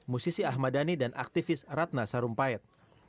musisi ahmad dhani dan aktivis ratna sarumpayat